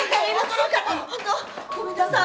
本当ごめんなさい。